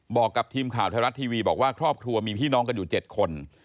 บอกกับทีมข่าวไทยรัฐทีวีบอกว่าครอบครัวมีพี่น้องกันอยู่๗คน